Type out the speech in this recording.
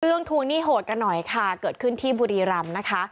ทวงหนี้โหดกันหน่อยค่ะเกิดขึ้นที่บุรีรำนะคะ